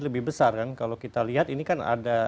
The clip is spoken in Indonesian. lebih besar kan kalau kita lihat ini kan ada